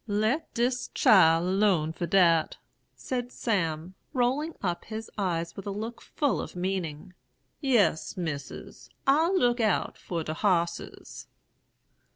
"'Let dis chile alone for dat,' said Sam, rolling up his eyes with a look full of meaning. 'Yes, Missis, I'll look out for de hosses.'